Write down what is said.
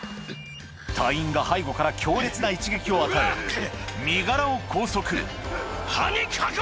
隊員が背後から強烈な一撃を与え放せ！